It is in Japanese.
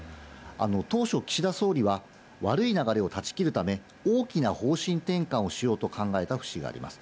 当初、岸田総理は、悪い流れを断ち切るため、大きな方針転換をしようと考えた節があります。